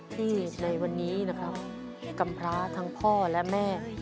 ที่ในวันนี้นะครับกำพร้าทั้งพ่อและแม่